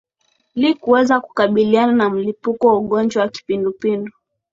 li kuweza kukabiliana na mlipuko wa ugonjwa wa kipindupindu